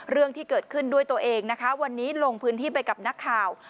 เรื่องที่เกิดขึ้นด้วยตัวเองนะคะวันนี้ลงพื้นที่ไปกับนักข่าว